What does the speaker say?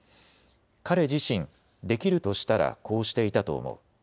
彼自身、できるとしたらこうしていたと思う。